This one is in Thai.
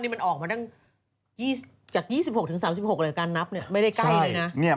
ส่วนของอัตจากเป็น๒๖ถึง๓๖การนับมันไม่ได้ใกล้เลยนะ